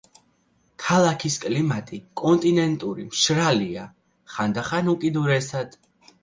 ქალაქის კლიმატი კონტინენტური მშრალია, ხანდახან უკიდურესად.